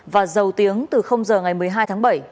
và dầu tiếng từ giờ ngày một mươi hai tháng bảy